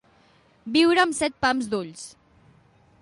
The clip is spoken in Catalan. Viure amb set pams d'ulls.